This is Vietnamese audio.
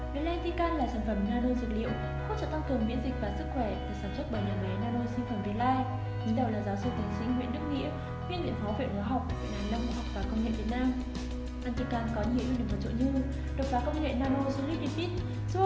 bia lentica là sản phẩm nano dịch liệu khuất trợ tăng cường miễn dịch và sức khỏe